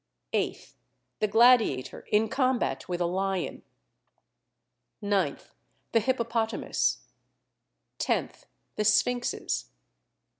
8th. The gladiator in combat with a lion. 9th. The Hippopotamus. 10th. The Sphinxes.